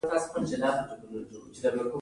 د بېلګې په توګه کېدای شي خاوند وي.